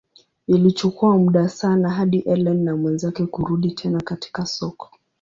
Ilichukua muda sana hadi Ellen na mwenzake kurudi tena katika soko.